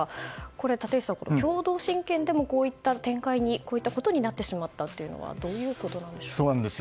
これ、立石さん共同親権でもこういったことになってしまったというのはどういうことなんでしょうか。